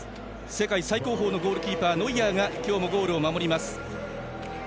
世界最高峰のゴールキーパーノイアーが今日もゴールを守ります。